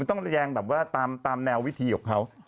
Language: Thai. ต้องแรงแบบว่าตามแนววิธีของเขา